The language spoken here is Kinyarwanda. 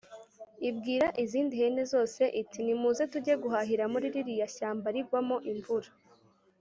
ibwira izindi hene zose iti « nimuze tujye guhahira muri ririya shyamba rigwamo imvura